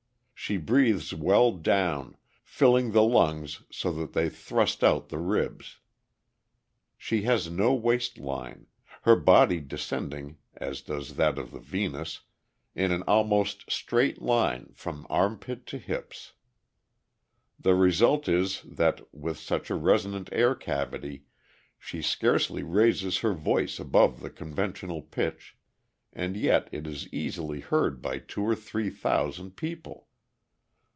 She breathes well down, filling the lungs so that they thrust out the ribs. She has no waist line, her body descending (as does that of the Venus) in an almost straight line from armpit to hips. The result is, that, with such a resonant air cavity, she scarcely raises her voice above the conversational pitch, and yet it is easily heard by two or three thousand people.